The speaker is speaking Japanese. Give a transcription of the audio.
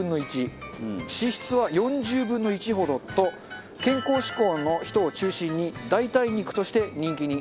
脂質は４０分の１ほどと健康志向の人を中心に代替肉として人気に。